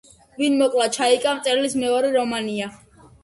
ვინ მოკლა ჩაიკა მწერლის მეორე რომანია.